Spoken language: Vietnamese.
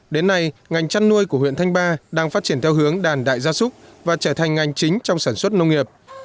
đến nay ngành chăn nuôi của huyện thanh ba đang phát triển theo hướng đàn đại gia súc và trở thành ngành chính trong sản xuất nông nghiệp